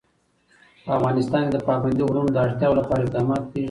په افغانستان کې د پابندي غرونو د اړتیاوو لپاره اقدامات کېږي.